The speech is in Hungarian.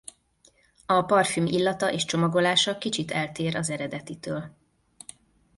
A parfüm illata és csomagolása kicsit eltér az eredetitől.